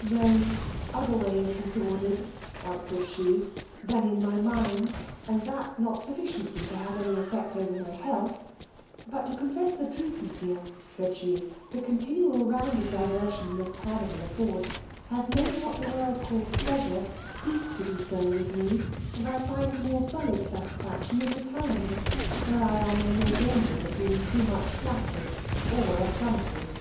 No otherways disordered, answered she, than in my mind, and that not sufficiently to have any effect over my health; but to confess the truth, monsieur, said she, the continual round of diversion this carnival affords, has made what the world calls pleasure, cease to be so with me; and I find more solid satisfaction in retirement, where I am in no danger of being too much flattered or affronted.